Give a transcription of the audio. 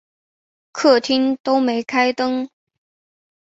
客厅都没开灯